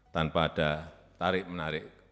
tanpa ada tarik menarik